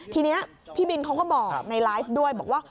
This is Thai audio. ทีนี้พี่บินเขาก็บอกในไลฟ์ด้วยบอกว่า